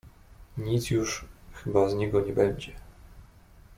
"Nic już chyba z niego nie będzie."